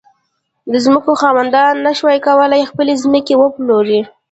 د ځمکو خاوندانو نه شوای کولای خپلې ځمکې وپلوري.